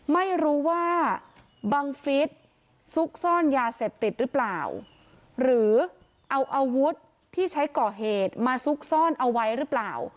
ไม่รู้ว่าบังฟิศซุกซ่อนยาเสพติดหรือเปล่าหรือเอาอาวุธที่ใช้ก่อเหตุมาซุกซ่อนเอาไว้หรือเปล่า